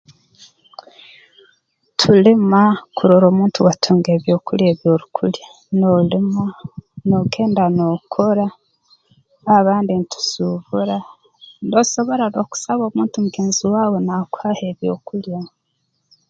Tulima kurora omuntu watunga ebyokulya ebi orukulya noolima noogenda nookora abandi ntusuubura noosobora n'okusaba omuntu mugenzi waawe naakuhaho ebyokulya